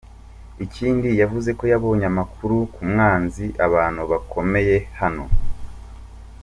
Ikindi yavuzeko yabonye amakuru ku mwanzi, abantu bakomeye hano.